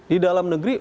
di dalam negeri